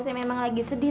saya memang lagi sedih